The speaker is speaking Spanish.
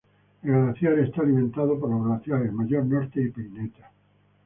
El glaciar está alimentado por los glaciares Mayo Norte y Peineta.